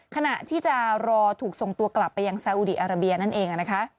ขณะที่จะรอถูกส่งตัวกลับไปยังซาอุดีอาราเบียนั่นเองนะคะ